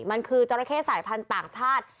มันคือจราเข้สายพันธุ์ต่างชาติ